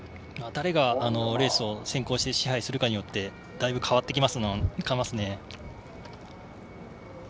誰がレースを先行して支配するかによってだいぶ変わってきますね。